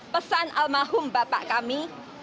pesan al mahhum bapak kami